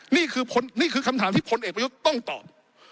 นี่คือนี่คือคำถามที่พลเอกประยุทธ์ต้องตอบ